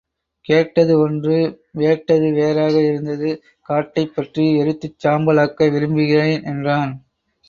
கேட்டது ஒன்று வேட்டது வேறாக இருந்தது காட்டைப் பற்றி எரித்துச் சாம்பல் ஆக்க விரும்புகிறேன் என்றான்.